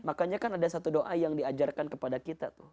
makanya kan ada satu doa yang diajarkan kepada kita tuh